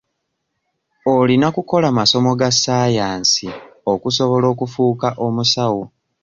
Olina kukola masomo ga saayanseezi okusobola okufuuka omusawo.